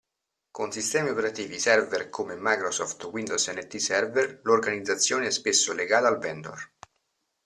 Con sistemi operativi server come Microsoft Windows NT Server, l'organizzazione è spesso legata al vendor.